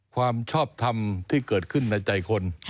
ความชอบทำที่เกิดขึ้นในใจคน